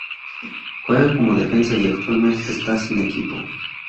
Juega como defensa y actualmente está sin equipo.